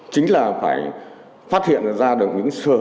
chính là phải phát hiện ra được những sở